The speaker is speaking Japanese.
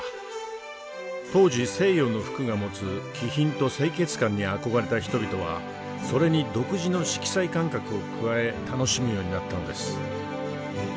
当時西洋の服が持つ気品と清潔感に憧れた人々はそれに独自の色彩感覚を加え楽しむようになったのです。